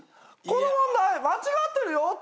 この問題間違ってるよ。